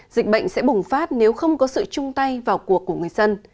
dịch bệnh sẽ bùng phát nếu không có sự chung tay vào cuộc của người dân